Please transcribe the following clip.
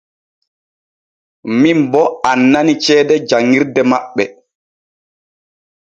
Min bo annani ceede jan ŋirde maɓɓe.